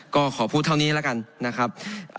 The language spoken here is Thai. ก็ขอพูดเท่านี้แล้วกันนะครับ